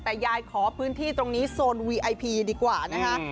แต่ยายขอพื้นที่ตรงนี้โซนวีไอพีดีกว่านะคะ